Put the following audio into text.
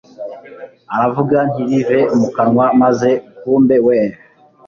aravuga ntirive mu kanwa maze kumbe we